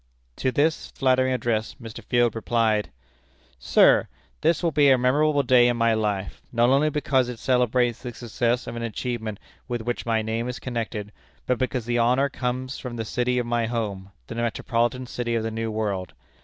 To this flattering address, Mr. Field replied: "Sir: This will be a memorable day in my life; not only because it celebrates the success of an achievement with which my name is connected, but because the honor comes from the city of my home the metropolitan city of the new world.